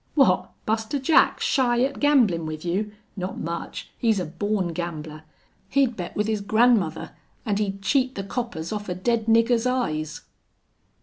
"What? Buster Jack shy at gamblin' with you? Not much. He's a born gambler. He'd bet with his grandmother an' he'd cheat the coppers off a dead nigger's eyes."